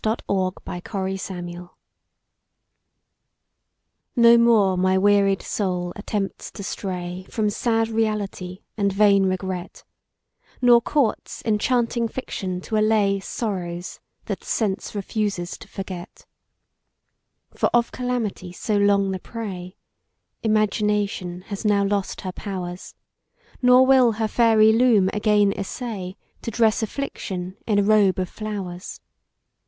SONNET XLVIII. TO MRS NO more my wearied soul attempts to stray From sad reality and vain regret, Nor courts enchanting fiction to allay Sorrows that sense refuses to forget: For of calamity so long the prey, Imagination now has lost her powers, Nor will her fairy loom again essay To dress affliction in a robe of flowers.